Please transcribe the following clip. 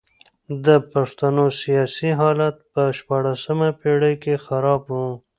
د پښتنو سیاسي حالت په شپاړلسمه پېړۍ کي خراب و.